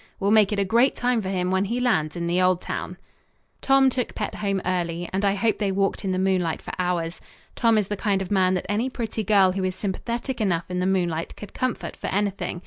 We'll make it a great time for him when he lands in the old town." Tom took Pet home early, and I hope they walked in the moonlight for hours. Tom is the kind of man that any pretty girl who is sympathetic enough in the moonlight could comfort for anything.